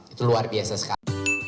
itu luar biasa sekali